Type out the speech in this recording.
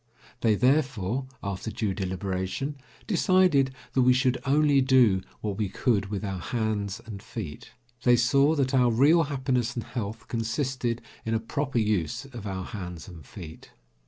They, therefore, after due deliberation, decided that we should only do what we could with our hands and feet. They saw that our real happiness and health consisted in a proper use of our hands and feet.